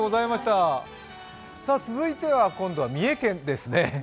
続いては、三重県ですね。